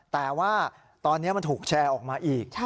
แต่ว่าตอนนี้มันถูกแชร์ออกมาอีก